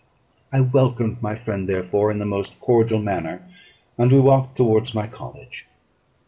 I welcomed my friend, therefore, in the most cordial manner, and we walked towards my college.